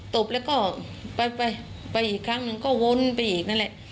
ตบแล้วก็ไปไปอีกครั้งหนึ่งก็วนไปอีกนั่นแหละ